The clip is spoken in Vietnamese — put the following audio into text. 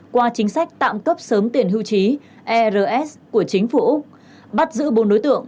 qua chính sách tạm cấp sớm tiền hưu trí ars của chính phủ úc bắt giữ bốn đối tượng